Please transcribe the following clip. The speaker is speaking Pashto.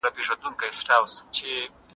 ټولنه له افرادو جوړه شوې ده.